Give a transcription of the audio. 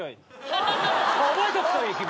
覚えとくといい君。